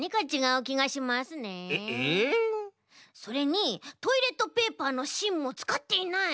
それにトイレットペーパーのしんもつかっていない！